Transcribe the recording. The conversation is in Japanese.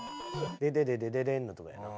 「デデデデデデン」のとこやな。